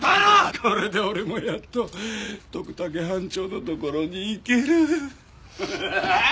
これで俺もやっと徳武班長のところに行ける。